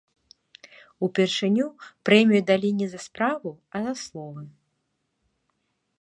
Упершыню прэмію далі не за справу, а за словы.